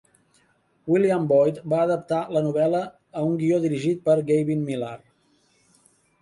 William Boyd va adaptar la novel·la a un guió, dirigit per Gavin Millar.